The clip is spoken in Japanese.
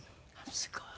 すごい。